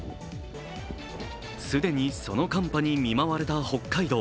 既にその寒波に見舞われた北海道。